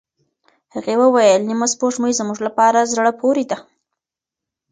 هغې وویل، نیمه سپوږمۍ زموږ لپاره زړه پورې ده.